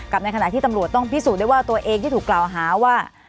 ในขณะที่ตำรวจต้องพิสูจน์ได้ว่าตัวเองที่ถูกกล่าวหาว่า